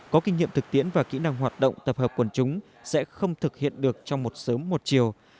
có kinh nghiệm thực tiễn và kỹ năng hoạt động tập hợp quần chúng sẽ không thực hiện được trong một sớm một chiều